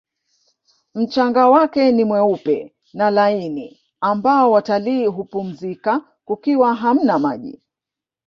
mchanga wake ni mweupe na laini ambao watalii humpumzika kukiwa hamna maji